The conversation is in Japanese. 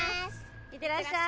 いってらっしゃい。